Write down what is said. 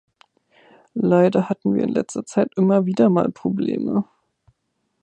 Leider hatten wir in letzter Zeit immer wieder mal Probleme.